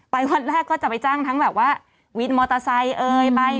วันแรกก็จะไปจ้างทั้งแบบว่าวินมอเตอร์ไซค์เอ่ยไป